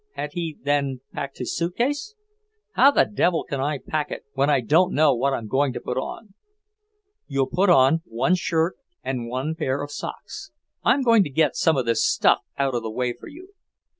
Had he, then, packed his suitcase? "How the devil can I pack it when I don't know what I'm going to put on?" "You'll put on one shirt and one pair of socks. I'm going to get some of this stuff out of the way for you."